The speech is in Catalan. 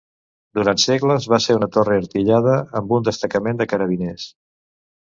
Durant segles va ser una torre artillada amb un destacament de carabiners.